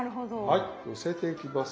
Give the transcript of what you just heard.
はいのせていきます。